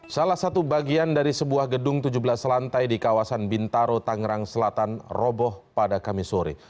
salah satu bagian dari sebuah gedung tujuh belas lantai di kawasan bintaro tangerang selatan roboh pada kamis sore